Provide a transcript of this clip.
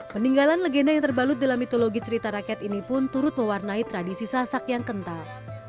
peninggalan legenda yang terbalut dalam mitologi cerita rakyat ini pun turut mewarnai tradisi sasak yang kental